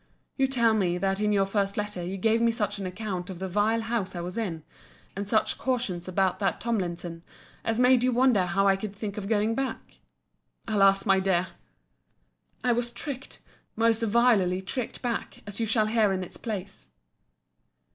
You tell me, that in your first letter you gave me such an account of the vile house I was in, and such cautions about that Tomlinson, as made you wonder how I could think of going back. Alas, my dear! I was tricked, most vilely tricked back, as you shall hear in its place.